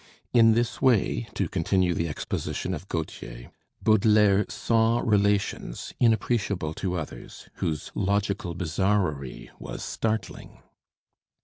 In this way, to continue the exposition of Gautier, Baudelaire saw relations inappreciable to others, whose logical bizarrerie was startling.